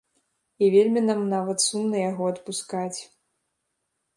І вельмі нам нават сумна яго адпускаць.